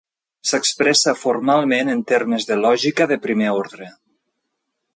S'expressa formalment en termes de lògica de primer ordre.